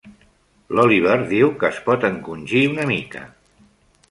L'Oliver diu que es pot encongir una mica.